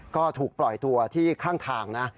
ก็ถูกปล่อยตัวที่ข้างทางนะ